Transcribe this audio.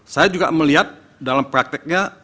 saya juga melihat dalam prakteknya